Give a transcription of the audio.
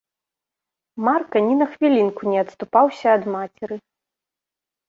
Марка ні на хвілінку не адступаўся ад мацеры.